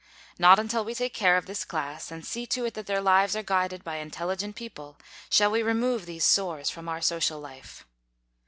Not until we take care of this class and see to it that their lives are guided by intelligent people, shall we remove these sores from our social life.